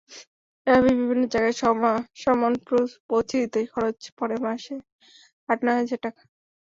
এভাবে বিভিন্ন জায়গায় সমন পৌঁছে দিতে খরচ পড়ে মাসে আট-নয় হাজার টাকা।